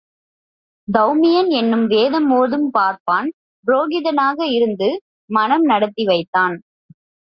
தெளமியன் என்னும் வேதம் ஒதும் பார்ப்பான் புரோகிதனாக இருந்து மணம் நடத்தி வைத்தான்.